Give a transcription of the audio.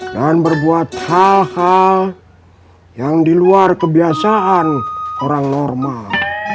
dan berbuat hal hal yang di luar kebiasaan orang normal